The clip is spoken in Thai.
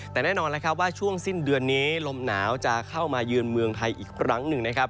แต่แน่นอนแล้วครับว่าช่วงสิ้นเดือนนี้ลมหนาวจะเข้ามาเยือนเมืองไทยอีกครั้งหนึ่งนะครับ